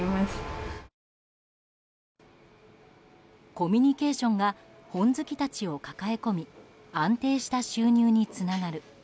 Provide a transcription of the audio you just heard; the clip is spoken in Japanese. コミュニケーションが本好きたちを抱え込み安定した収入につながる。